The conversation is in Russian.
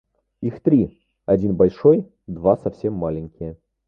Их три: один большой, два совсем маленькие